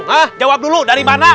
ah jawab dulu dari mana